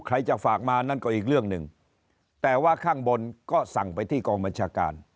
ใครจะฝากมานั่นก็อีกเรื่องหนึ่งแต่ว่าข้างบนก็สั่งไปที่กองบัญชาการ